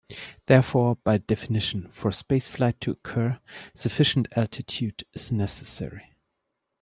Therefore, by definition for spaceflight to occur, sufficient altitude is necessary.